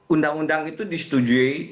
undang undang itu disetujui